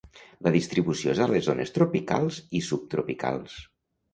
La distribució és a les zones tropicals i subtropicals.